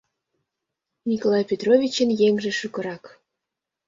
Николай Петровичын еҥже шукырак.